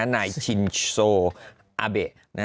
นายชินโซอาเบะ